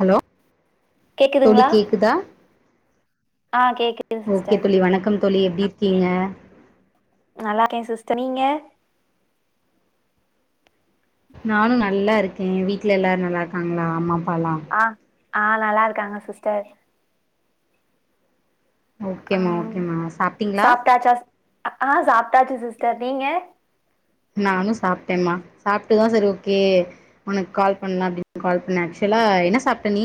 Hello தோழி கேக்குதுங்களா கேக்குதா ஆ கேக்குது ஓகே சிஸ்டர் தோழி வணக்கம் தோழி எப்படி இருக்கீங்க நல்லார்க்கே சிஸ்டர் நீங்க நானு நல்லா இருக்கே வீட்ல எல்லாரு நல்லா இருக்காங்களா அம் ப்பாலா ஆ ஆ நல்லா இருக்காங்க சிஸ்டர் ஆ ஓகேம்மா ஓகேம்மா சாப்ட்டீங்களா சாப்டாச்சா ஆ சாப்ட்டாச்சு சிஸ்டர் நீங்க நானு சாப்ட்டேமா சாப்ட்டுதா சரி ஓகே உனக்கு கால் பண்ணலா அப்பனடின் கால் பண்ணேஆக்சுவலா என்ன சாப்ட்டே நீ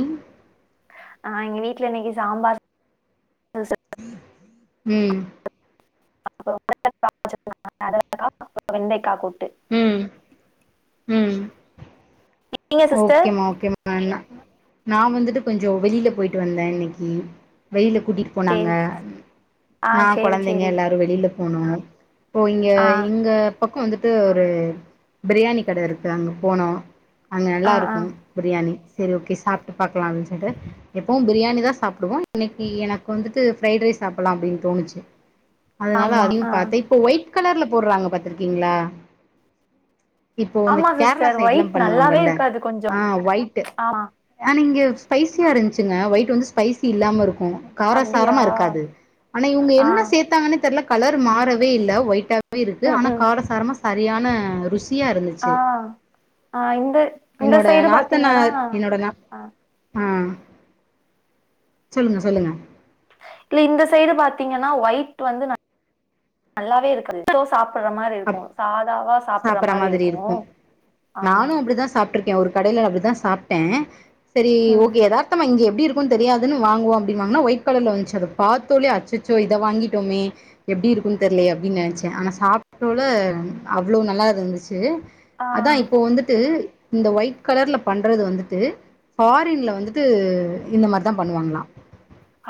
ஆ எங்க வீட்ல இன்னிக்கு சாம்பார் சா உம் [inaudible] வெண்டைகா கூட் உம் ம் நீங்க சிஸ்டர் ஓகேமா ஓகேமா நா வந்துட்டு கொஞ்சோ வெளியில போயிட்டு வந்த இன்னைக்கு வெளியி கூட்டிட்டு போனாங்க சேரி ஆ நா சேரி குழந்தைங்க சேரி எல்லாரு வெளியில போனோ இப்ப இங்க ஆ இங்க பக்கோ வந்துட்டு ஒரு பிரியாணி கட இருக்கு அங்க போனோ அங்கே ஆ ஆ நல்லாருக்கும் பிரியாணி சரி ஓகே சாப்பிட்டு பாக்கலா அப்படின்னு சொல்லிட்டு எப்பவும் பிரியாணி தா சாப்பிடுவோ இன்னைக்கு எனக்கு வந்துட்டு ஃப்ரைட் ரைஸ் சாப்பிடலா அப்படின்னு தோணுச்சு அதனால ஆமா அதையு ஆ பார்த்த இப்போ ஒயிட் கலர்ல போட்றாங்க பாத்துருக்கீங்களா இப்ப வந்து ஆமா கேரளா சிஸ்டர் சைட் எல்லா ஒயிட் பண்ணுவாங் நல்லாவே வேல்ல இருக்காது கொஞ்சோ ஆ ஒயட்டு் ஆமா ஆ நிங்க ஸ்பைசியா இருந்துச்சுங்க ஒயிட் வந்து ஸ்பைசி இல்லாம இருக்கு ஆ அப்டியா காரசாரமா இருக்காது ஆனா இவங்க ஆ என்ன சேத்தாங்கன்னே தெர்ல கலர் மாறவே இல்ல ஒய்ட்டா போய் இருக்கு ம் ஆனா ம் கார சாரமா சரியான ருசி ஆ ஆ இந்த ஆ இந்த என்னோட சைடு பாத்தீங்கன்னா நாத்தனார் என்னோட நா ஆ ஆ சொல்லுங்க சொல்லுங்க இல்ல இந்த சைடு பாத்தீங்கன்னா ஒயிட் வந்து ந நல்லாவே இருக்க [unintelligible] சாப்ப சாப்டற மாதிரி இருக்கு அப் சாதாவா சாப்படற மாதிரி இருக்கு ஆமா க ஒரு கடைல அப்படிதா சாப்ட்ட சரி ம் ஓகே எதார்த்தமா இங்கே எப்படி இருக்குனு தெரியாதுன்னு வாங்குவோ அப்படின்னு வாங்குனா ஒயிட் கலர்ல வந்துச்சு அத பாத்தோலியோ அச்சச்சோ இத வாங்கிட்டோமே எப்டி இருக்குனு தெரிலயே அப்டினு நெனைச்ச ஆனா சாப்ப தோல அவ்ளோ நல்லா இருந்துச்சு ஆ அதா இப்ப வந்துட்டு இந்த ஒயிட் கலர்ல பண்றது வந்துட்டு ஃபாரின்ல வந்துட்டு இந்த மாரிதா பண்ணுவாங்களா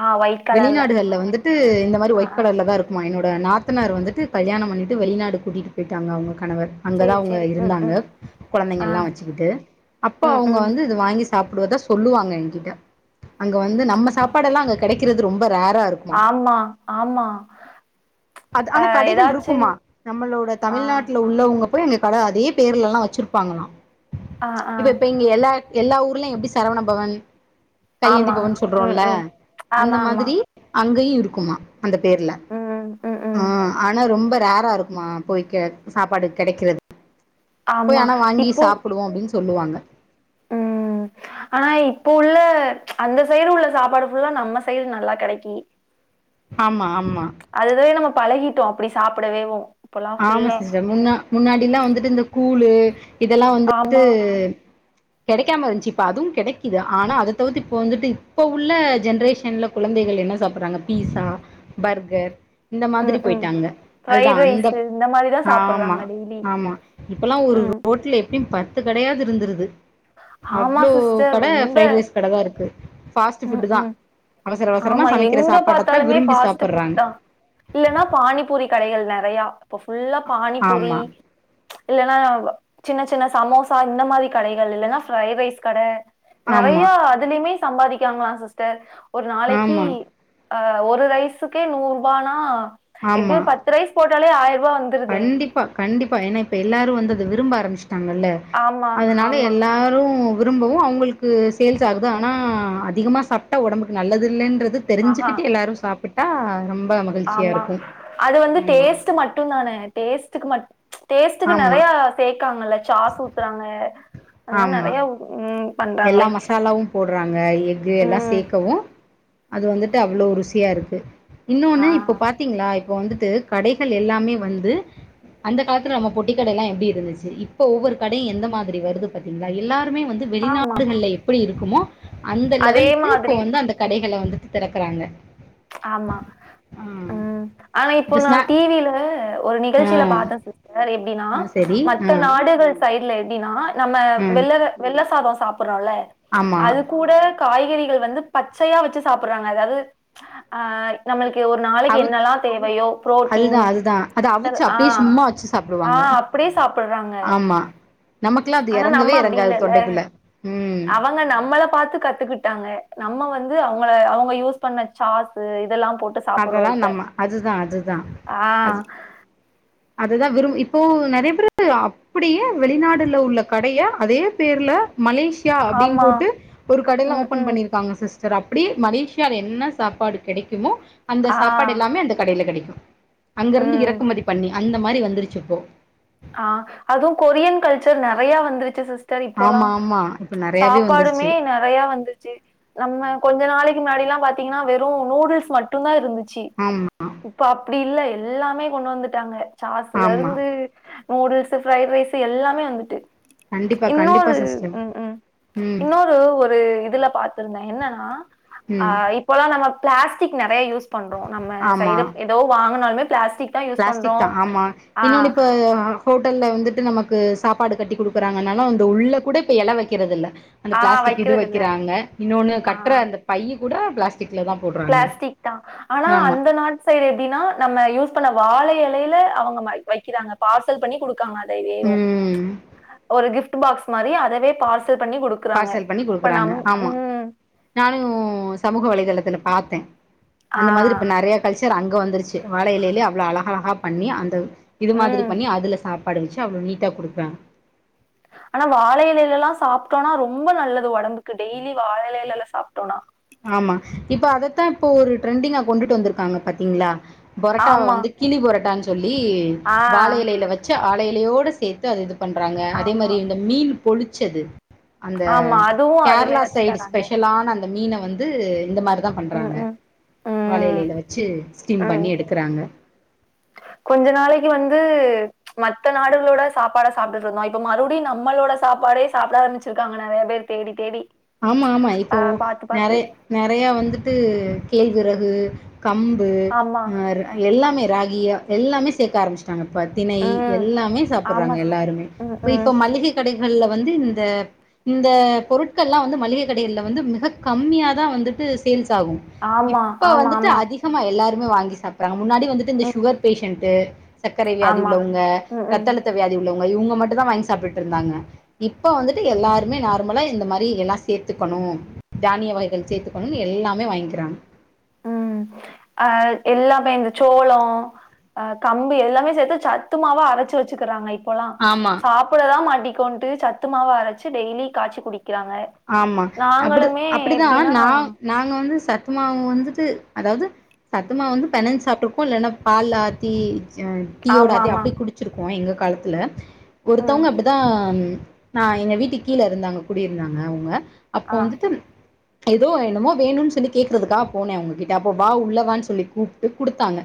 ஆ ஒயிட் கலர்ல வெளிநாடுகள்ல வந்துட்டு இந்த மாறி ஆ ஒய்ட ஆ கலர்லதா இருக்குமா என்னோட நாத்தனார் வந்துட்டு கல்யாணம் பண்ணிட்டு ட்டு வெளிநாடு கூட்டிட்டு போயிட்டாங்க அவங்க கணவர் அங்கதா சரி அவங்க சரி ம் இருந்தாங்க ம் குழந்தைங்க ஆ எல்லா வெச்சுக்கிட்டு அப்ப ம் அவங்க ம் வந்து இது வாங்கி சா சாப்பிடுவதா சொல்லுவாங்க என்கிட்ட அங்க வந்து நம்ம ஆ சாப்பாடெல்லா அங்க கெடைக் க்கறது ரொம்ப ரேர் ஆமா ஆமா அது அ ஆனா கடைகள் ஏதாச்சு இருக்குமா நம்மளோட ஆ தமிழ்நாட்டுல உள்ளவங்க அப்ப அங்க கட அதே பேர்ல எல்லா வச்சிருப்பாங்களா ஆ ஆ ம் இப்ப இங்க எல்லா எல்லா ஊர்லயு எப்டி சரவண பவன் கையேந்தி ஆமா பவன் ம் சொல்றோல ம் அந்த ஆமா ஆமா மாதிரி அங்கயு இருக்குமா அந்த பேர்ல ம் ம் ம் உம் ஆனா ரொம்ப ரேரா இருக்குமா போய்க் கெ சாப்பாடு கெடைக்கறது போய் ஆமா ஆனா வாங்கி சாப்பிடுவோ அப்டின்னு சொ சொல்லுவாங்க உம் ஆனா இப்ப உள்ள அந்த சைடு உள்ள சாப்பாடு ஃபுல்லா நம்ம சைடு நல்லா கெடைக்கி ஆமா ஆமா அதையே நம்ம பழகிட்டோ அப்டி சாப்டவே ஆமா சிஸ்டர் முன்ன முன்னாடிலா வந்துட்டு இந்த கூ புலு இதெல்லா வந்துட்டு ஆமா கெடைக்காம இருந்துச்சு இப்ப அதுவும் கெடைக்குது ஆனா அத தவிர்த்து இப்ப வந்துட்டு இப்ப உள்ள ஜென்ரெஷன்ல கொழந்தைகள் என்ன சாப்டுறாங்க பீஸா பர்கர் இந்த மாதிரி ம் ம் போயிட்டாங்க அதுதா ஃப்ரைட் அந்த ரைஸு இந்த மாரிதா ஆமா சாப்புட்றாங்க டெய்லி ஆமா இப்பலா ஒரு ம் ரோட்ல எப் எப்டியு பத்து கடையாது இருந்துருது ஆமா அவ்ளோ சிஸ்டர் கட ரொம்ப ஃப்ரைட்ரைஸ் கடதா இருக்கு ஃபாஸ்டு ம் ஃபுட்டு தா ம் அவசர அவசரமா ஆமா சமைக்கிற எங்க சாப்பாட்டத்தா பாத்தாலுமே விரும்பி சாப்புட்றாங்க பாஸ்ட்ஃபுட்தா இல்லனா பானிபூரி கடைகள் நெற நெறையா இப் ஃபுல்லா பானிபூரி ஆமா இல்லன்னா சின்னசின்ன சமோசா இந்தமாரி கடைகள் இல்லன்னா ஃப்ரைட்ரைஸ் கட ஆமா நெறைய அதுலயுமேஸ் சம்பாதிக்றாங்ளா சிஸ்டர் ஒரு நாளைக்கி ஆமா ஆ ஒரு ரைஸுக்கே நூறுவானா எப்டியோ ஆமா பத்துரைஸ் போட் இதுலயே ஆயர் கண்டிப்பா கண்டிப்பா ஏன்னா இப்ப எல்லாருவந்து இத விரும்ப ஆரம்பிச்சு சுட்டாங்கல்ல ஆமா அதனால ஆமா எல்லாரு விரும்பவும் அவங்களுக்கு சேல்ஸ் ஆகுது ஆனா அதிகமா சாப்டா உடம்புக்கு நல்லது இல்லேன்றது அது ஆஹா தெரிஞ்சுக்கிட்டு எல்லாரும் சாப்புட்டா ரொம்ப மகிழ்ச்சியா ஆமா இருக்கும் ஆமா டேஸ்ட்டுக்குமட் டேஸ்ட்டுக்கு ஆமா நெறையா சே [unintelligible] ஜாஸ் ஊத்துறாங்க அந்த மாரி ஆமா நெறைய உம் எல்லா மசாலாவும் போட்றாங்க எக்கு எல்லா ம் சேக்கவும் அது வந்துட்டு அவ்ளோ ருசியா இருக்கு இன்னொன்னு ஆ இப்ப பாத்தீங்களா இப்ப வந்துட்டு கடைகள் எல்லாமே வந்து அந்த காலத்துல நம்ம பொட்டி கடையெல்லாம் எப்டி இருந்துச்சு இப்ப ஒவ்வொரு கடையு எந்த மாதிரி வருது பாத்தீங்களா எல்லாருமே வந் ஆமா வெளிநாடுகள்ல எப்படி இருக் கொமா அந்த அதே லெவல்க்கு இப்ப மாதிரி வந்து அந்த கடைகள வந்துட்டு திறக் க்கறாங்க ஆமா உம் ஆனா இப்போ இப்ப நா ஸ்நா டிவில ஒரு ஆ நிகழ்ச்சில பாத்தேன் சிஸ்டர் எப்டின்னா ஆ சரி ஆ மத்த நாடுகள் சைடு்ல எட் எப்டினா நம்ம ம் வெள்ளற வெள்ள சாதோ சாப் பட்றோல ஆமா அது கூட காய்கறிகள் வந்து பச்சையா வச்சு சாப்பிட்றாங்க அதாவது ஆஹ் நம்மள் இது ஒரு நாளைக்கு அவுத் என்னெல்லாம் தேவையோ புரோட்டீன் அதுதா அதுதா அத என்னது அவிச்சு அப்டியே ஆஹ் சும்மா வச்சு சாப்டுவாங்க ஆஹ் அப்டியே சாப்பட்றாங்க ஆமா நமக்குல்லா அது ஆனா எறங்கவே நம்ம அப்டி எறங்காது இல்லேல்ல தொண்டைக்குள்ள ம் அவங்க நம்மள பாத்து கத்துக்குட்டாங்க நம்ம வந்து இது அவங்கள அவங்க யூஸ் பண்ண சாஸ்சு இதெல்லாம் போட்டு அதெல்லா சாப்பிடுறோம் இப்ப. நம்ம அதுதா அதுதா ஆ அது அதுதா விரும் இப்போ நெறைய பேரு அப்டியே வெளிநாடுல உள்ள கடைய அதே பேர்ல மலேஷியா அப்டின் ஆமா போட்டு ஒரு கடைல்லாம் ம் ஓபன் ம் பண்ணிருக்காங்க சிஸ் சார் அப்டியே மலேஷியால என்ன சாப்பாடு கெடைக்குமோ அந்த ஆ சாப்பாடெல்லாமே அந்த கடைல கெடைக்கு அங்கிருந்து ம் இறக்குமதி அந்த மாரி வந்துருச்சிப்போ ஆஹ் அதுவும் கொரியன் கல்ச்சர் நெறையா வந்துருச்சு சிஸ் சரி இப்போல்லா ஆமா ஆமா இப்ப நெறையாவே வந்துருச்சு சாப்பாடுமே நெறைய வந்துருச்சு நம்ம கொஞ்ச நாளைக் முன்னாடியெல்லா பாத்தீங்கன்னா வெறும் நூடுல்ஸ் மட்டுந்தா இருந்துச்சு ஜி ஆமா இப்பப் அப்டி இல்ல எல்லாமே கொண்டு வந்துட்டாங்க சாஸ்ல ஆமா இருந்து நூடுல்ஸு ஃப்ரைட் ரைஸ்ஸு எல்லாமே வந்துட்டு கண்டிப்பா கண்டிப்பா இன்னொரு சிஸ்டர் உம் உம் ம் இன்னொரு ஒரு இதுல பாத்திருந்தேன் என்னன்னா ம் அஹ் இப்போல்லா நம்ம பிளாஸ்டிக் நெறைய யூஸ் பண்றோ நம்ம ஆமா செய்து ஏதோ வாங்கினாலுமெ கிளாஸ் பிளாஸ்டிக் தா ஆமா இன்னொன்னு இப்ப ஹோட்டல்ல வந்துட்டு நமக்கு சாப்பாடு கட்டி கொடுக்குறாங்கனாலு அந்த உள்ளே கூட இப்போ எல வைக்கிறதில்ல அந்த ஆ பிளாஸ்டிக் இது வைக்கிறது இல்ல வைக்கிறாங்க இன்னொன்னு ஆ கட்டுற அந்த பையி கூடா பிளாக் பிளாஸ்டிக் தா ஆனா ஆமா அந்த நாட்டு எப்படினா நம்ம யூஸ் பண்ண வாழை இலையில அவங்க வைக்கிறாங்க பார்சல் பண்ணி குடு [unintelligible] ம் ஒரு கிப்ட் ஃபுட் பாக்ஸ் மாரி அதவே பார்ஸ் பார்சல் பண்ணி குடுக்குறாங்க ஆமா ம் நானு சமூக வலைதளத்துல பாத்தே ஆ அந்த மாதிரி இப்ப நெறைய கல்ச்சர் அங்க வந்துருச்சு வாழைஇலையிலேயே அவ்வளோ அழகழகா பண்ணி அந்த இது மாதிரி ம் பண்ணி அதுல சாப்ப மடிச்சு அவ்ளோ நீட்டா குடுக்கறாங்க ஆனா வாழையிலையிலெல்லாம் சாப்பிட்டோம்னா ரொம்ப நல்லது ஒடம்புக்கு டெய்லி வாழையிலைலெல்லாம் சாப் ஆமா இப்ப அதத்தான் இப்போ ஒரு ட்ரெண்டிங்கா கொண்டுட்டு வந்திருக்காங்க பாத்தீங்களா பொரட்டாவ ஆமா வந்து கிளி பொரட்டான்னு சொ ஈ வாழ ஆஹ் இலையில வச்சு ஆலைய இலையோடு சேத்து அது பண்றாங்க அதே ஆமா மாரி இந்த மீன் பொளிச்சது அந்த ஆமா அதுவும் அதுல கேரளா வச்சு சைடு தராங்க ஸ்பெஷலான அந் மீன வந்து இந்த மாரி ம் பண்றாங்க ம் வாழ ம் எலயில வச்சு ஸ்டீம் ம். பண்ணி எடுக்குறாங்க கொஞ்ச நாளைக்கு வந்து மத்த நாடுகளோட சாப்பாட சாப்ட்டுட்ருந்தோ இப்ப மறுபடியு நம்மளோட சாப்பாடே சாப்பிட ஆரம்பிச்சிருக்காங்க நெறைய பேர் தேடி தேடி ஆமா ஆமா இப்போ ஆஹ் பார்த்து பார்த்து நெறைய நெறைய வந்துட்டு கேள்விறகு கம்பு ஆமா அ எல்லா ராகிய எல்லாமே சேர்க்க ஆரம்பிச்சு ஆமப்பா திணை ம் எல்லாமே ஆமா சாப்புடுறாங்க சிஸ்டர் எல்லாருமே ம் இப்ப ம் இப்ப மள்ளிகை கடைகள்ல வந்து இந்த இந்த பொருட் பொருட்கள்லா வந்து மளிகை கடைகள்ல வந்து மிக கம்மியா தா வந்துட்டு சேல்ஸ் ஆகும் ஆமா இப்ப ஆமா வந்துட்டு ஆமா அதிகமா எல்லாரு மே வாங்கி சாப்புட்றாங்க முன்னாடி வந்துட்டு இந்த ம் சுகர் பேஷன்ட்டு சர்க்கரை வியாதி ஆமா உள்ளவுங்க ம் ம் ரத்தழுத்த வியாதி உள்ளவுங்க இவுங்க மட்டும் தா வாங்கி சாப்புட்டுட்டு இருந்தாங்க இப்ப வந்துட்டு எல்லாருமே நார்மலா இந்த மாரி எல்லா சேத்துக்கணு தானிய வகைகள் சேத்துக்கணும்னு எல்லாமே வாங்கிறாங்க உம் அஹ் எல்லாமே இந்த சோளோ அஹ் கம்பு எல்லாமே சேத்து சத்துமாவா அரச்சு வச்சுக்கிறாங்க இப் இப்போலா ஆமா சாப்பிட தா மாட்டி க்கொண்டு சத்துமாவா அரைச்சு டெய்லி காச்சி குடிக் ஆமா அப்டி அப்டிதா எப்டின்னா நா நாங்க வந்து சத் சத்து மாவு வந்துட்டு அதாவது சத்துமாவு வந்து பெணஞ்சு சாப்பிட்ருக்கோம் இல்லைன்னா பால்ல ஆத்தி ஆ டீயோடா ஆத்தி ஆமாமா. அப்டியே குடிச்சிருவே ப்போம் எங்க காலத்துல ம். ஒருத்தவுங்க அப்டிதா ம் ஆஹ் எங்க வீட்டு கீழ இருந்தாங்க குடியிருந்தாங்க அவுங்க அப்போ ஆ. வந்துட்டு ஏதோ என்னமோ வேணும்னு சொல்லி கேக்குறதுக்காக போனே அவுங்க கிட்ட அப்போ வா உள்ளவான்னு சொல்லி கூப்டு குடுத்தாங்க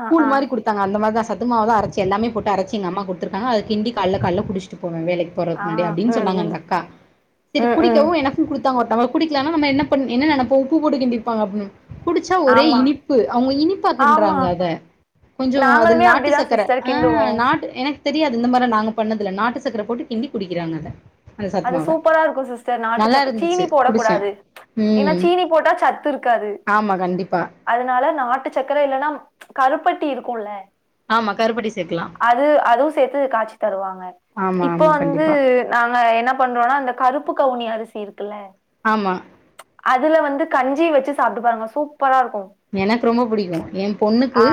ஆ கூழ் ஆ. மாரி குடுத்தாங்க அந்த மாரி தா சத் சத்து மாவ அரைச்சி எல்லாமே போட்டு அரைச்சு எங்க அம்மா குடுத்துருக்காங்க அது கிண்டி கால்ல கால்ல குடிச்சிட்டு போவே வேலைக்கு போறதுக்கு ஆ. முன்னாடி அப்டின்னு ம் சொன்னாங்க ம். அந்த அக்கா சேரி ம் ம். குடிக்கவும் எனக்கும் குடுத் ஒருத்தங்க ஒருத்தருக்கு குடிக்கலன்னா நம்ம என்ன பண்ண என்ன நெனைப்போம் உப்பு போடுக் கிண்டிருப்பாங்க அப்டின்னு குடிச்சா ஒரே ஆமா. இனிப்பு அவுங்க இனிப்பா ஆமா. கின்ட்றாங்க அத கொஞ்சோ அதுல நாங்களுமே நாட்டு அப்டிதான் சக்கரை சிஸ்டர் ஆன் கிண்டுவோம். நாட்டு எனக் தெரியாது இந்த மாரிலாம் நாங்க பண்ணதுல்ல நாட்டு சக்கர போட்டு கிண்டி குடிக்கிறாங்க அத அந்த அது சத்துமாவ சூப்பரா இருக்கும் சிஸ் ஸ்டர் நாட்டு நல்லா சக் இருந்துச்சு சீனி குடிச்சே போடக்கூடாது ப்ச் ஏன்னா ம் சீனி போட்டா சத்துருக்காது ஆமா கண்டிப்பா அதனால நாட்டு சக்கர இல்லன்னா கருப் ப்பட்டி இருக்குல ஆமா கருப்பட்டி சேக்கலா அது அதுவும் சேத்து காச்சி தருவாங்க ஆமா இப்போ ஆமா வந்து கண்டிப்பா நாங்க என்ன ஆனா அந்த கருப்பு கவுனி அரிசி இருக்குல்ல ஆமா அதுல வந்து கஞ்சிய வச்சு சாப்ட்டு பாருங்க சூப் எனக் ரொம்ப புடிக்கு என் பொண்ணுக்கு ஆ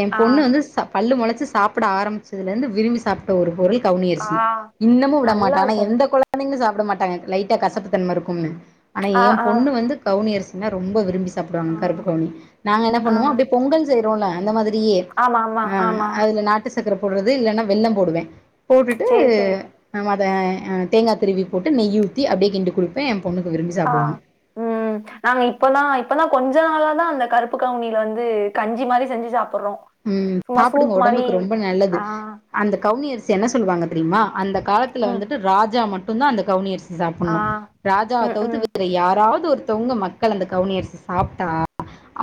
என் ஆ பொண்ணு வந்து ச பல்லு மொளைச்ச து சாப்ட ஆரம்பிச்சதுலிருந்து விரும்பி சாப்ட ஒரு பொருள் கவுனியரிசி ஆ இன்னமு விட நல்லா மாட்டா ஆனா இருக்கும் எந்த கொழந்தைங்க சாப்ட சாப்ட மாட்டாங்க லைட்டா கசப்புத்தன்ம இருக்கும்னு ஆனா ஆ ஏ ஆ பொண்ணு வந்து கவுனியரசி என்ன ரொம்ப விரும்பி சாப் ஆ சாப்டுவாங்க [unintelligible] நாங்க என்ன ஆ பண்ணுவோ அப்டி பொங்கல் செ [unintelligible] அந்த மாதிரி [unintelligible] ஆமா ஆமா ஆமா அதுல நாட்டுசக்கர நாட்டுசக்கர போடுறது இல்லன்னா வெல்லம் போடுவே போட்டுட்டு சேரி சேரி ஆமா தே அ தேங்கா திருவி போட்டு நெய் ஊத்தி அப்டியே கிண்டி குடுப்பே பொண்ணுக்கு விரும்பி ஆஹ் சாப்டுவாங்க உம் நாங்க இப்பல்லா இப்பலா கொஞ்ச நாளா தா அந்த கருப்பு கவுனில வந்து கஞ்சி மாரி செஞ்சி சாப்பி உம் சாப்டுங்க ஒடம்புக்கு ரொம்ப நல்லது ஆ அந்த கவுனி அரிசி என்ன சொல்லுவாங்க தெரியுமா அந்த காலத்துல ம் வந்துட்டு ராஜா மட்டு டு தான் அந்த கவுனிஅரிசி ஆ சாப்புட்னு ராஜாவ ம் தவுத்து ம் வேற யாராவது ஒரு ஒருத்தவங்க மக்கள் அந்த கவுனிஅரிசி சாப்டா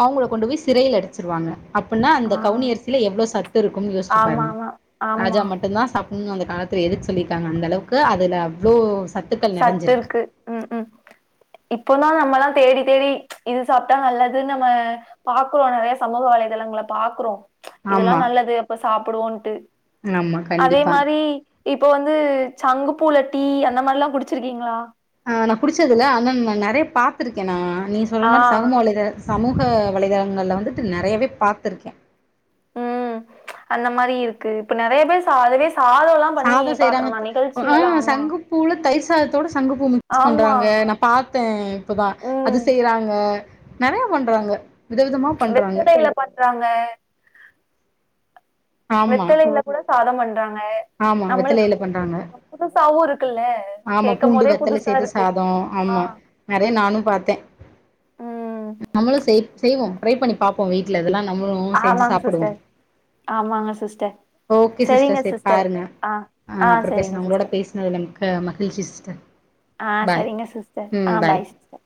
அவுங்கள கொண்டு போய் சிறையில் அடச்சிருவாங்க அப்பனா அந்த ஆ க கவுனியரிசில எவ்ளோ சத்து இருக்கும்னு யோஷ்ச்சி ஆமா பாருங்க ஆமா ஆமா ராஜா மட்டும் தா சாப் ம் அந்த காலத்ல எதுக்கு சொல்லிருக்காங்க அந்த அளவுக்கு அதுல அவ்ளோ சத்துக்கள் சத்து நெறஞ்சிருக்கு இருக்கு உம் உம் இப்போதா நம்மல்லா தேடி தெரி இது சாப்ட்டா நல்லது நம்ம பாக்குறோ நெறைய சமூக வலைதளங்கள்ள பாக்குறோ இதெல்லா ஆமா நல்லது அப்ப சாப்டுவோன்ட்டு ஆமா அதே கண்டிப்பா மாரி இப்போ வந்து சங்குப்பூல டீ அந்த மாரிலா குடிச் ச்சிருக்கீங்களா ஆ நா குடிச்சதில்ல ஆனா நா நறைய பாத்திருக்கே நா நீங்க சொல்ற ஆ மாரி சமூக வலைத்தள சமூக வலைதளங்கள்ல வந்துட்டு நெறையவே பாத்திருக்கே ம் அந்த மாரி இருக்கு இப்ப நெறய பேர் சா அதுவே சாதோல்லா பண்ணி சாதம் பாக்குறோ செய்யறாங்க நா நிகழ்ச்சிலலா ஆஹ் ஆமா சங்குப்பூல தயிர் சாதத்தோடு சங்குபூ மிக்ஸ் ஆமா பண்றாங்க நா பாத் தே இப்பதா அது ம் செய்யறாங்க நறைய பண்றாங்க விதவிதமா பண்றாங்க வெத்தலைல பண்றாங்க ஆமா வெத்தலையில கூட சாதமண் ஆமா வெத்தலையில பண்றாங்க புதுசாவு இருக்குல்ல ஆமா கேட்கும் பூண்டு போதே வெத்தல புதுசா சேத்து ஆமாங்க. இருக்கு சாதம் ஆ ஆமா நறைய நானு பாத்தேன் ம் நம்மளும் செய் செய்வோம் ட்ரை பண்ணி பாப்போம் வீட்ல இதெல்லாம் ஆமாங்க சிஸ்டர் ஆமாங்க சிஸ்டர் ஓகே சிஸ்டர் சரிங்க செரி சிஸ் பாருங்க ஆஹ் அப்புற பேசுண உங்களோட பேசினதுல மிக்க மகிழ்ச்சி சிஸ்டர் ஆ பாய் சரிங்க சிஸ்டர் ம் ஆ பாய் சிஸ்டர்